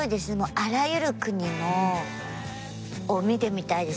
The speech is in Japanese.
あらゆる国のを見てみたいです。